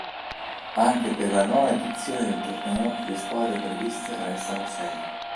Anche per la nona edizione del torneo le squadre previste restano sei.